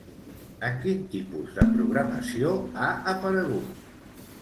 En quin tipus de programació ha aparegut?